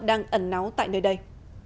đang ẩn náu tại nơi đây